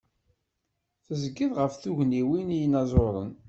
Tezgiḍ ɣef tugniwin n yinaẓuren.